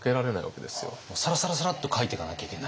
サラサラサラッと描いてかなきゃいけない。